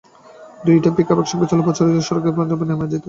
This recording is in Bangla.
দুটি পিকআপ একসঙ্গে চললে পথচারীদের সড়কের পাশের জায়গায় নেমে যেতে হয়।